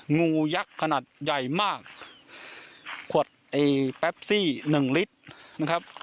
งูยักษ์ขนาดใหญ่มากขวดไอ้แปปซี่หนึ่งลิตรนะครับ